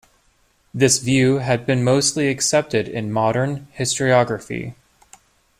This view had been mostly accepted in modern historiography.